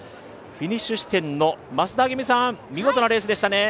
フィニッシュ地点の増田明美さん、見事なレースでしたね。